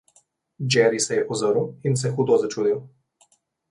Jerry se je ozrl in se hudo začudil.